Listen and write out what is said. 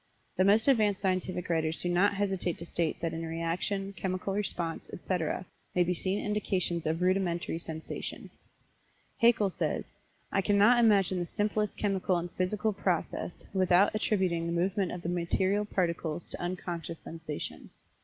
The most advanced scientific writers do not hesitate to state that in reaction, chemical response, etc., may be seen indications of rudimentary sensation. Haeckel says: "I cannot imagine the simplest chemical and physical process without attributing the movement of the material particles to unconscious sensation.